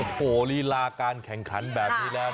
โอ้โหลีลาการแข่งขันแบบนี้แล้ว